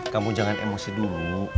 kamu jangan emosi dulu